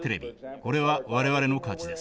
これは我々の勝ちです。